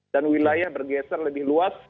dan wilayah bergeser lebih luas